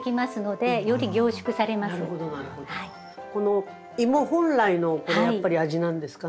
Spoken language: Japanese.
このイモ本来のこれやっぱり味なんですかね？